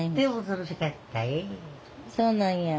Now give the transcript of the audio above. そうなんや。